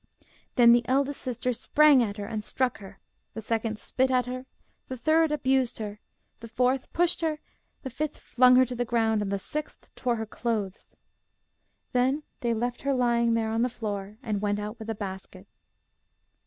Then the eldest sister sprang at her and struck her, the second spit at her, the third abused her, the fourth pushed her, the fifth flung her to the ground, and the sixth tore her clothes. Then they left her lying on the floor, and went out with a basket.